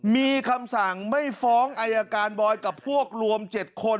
มีคำสั่งไม่ฟ้องอายการบอยกับพวกรวม๗คน